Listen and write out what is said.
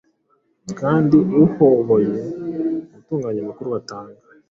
kandi uhoboye gutunganya amakuru batanga